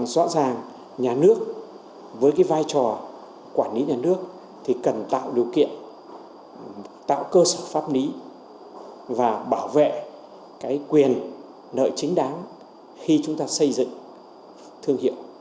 rõ ràng nhà nước với cái vai trò quản lý nhà nước thì cần tạo điều kiện tạo cơ sở pháp lý và bảo vệ cái quyền nợ chính đáng khi chúng ta xây dựng thương hiệu